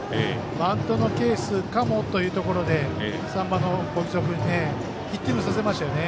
バントのケースかもというところで３番の小木曽君にヒッティングさせましたよね。